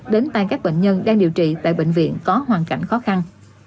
đến tay các bệnh nhân đang điều trị tại bệnh viện có hoàn cảnh khó khăn